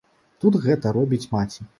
Тут гэта робіць маці.